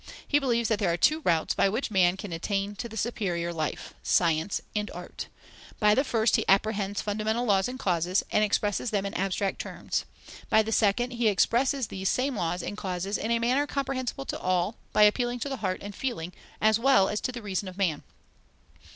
He believes that there are two routes by which man can attain to the superior life: science and art. By the first, he apprehends fundamental laws and causes, and expresses them in abstract terms; by the second, he expresses these same laws and causes in a manner comprehensible to all, by appealing to the heart and feeling, as well as to the reason of man.